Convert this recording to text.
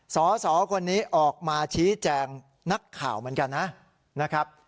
สสคนนี้ออกมาชี้แจงนักข่าวเหมือนกันนะครับ